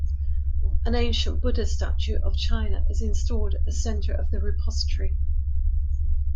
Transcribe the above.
An ancient Buddha statue of China is installed at the centre of the repository.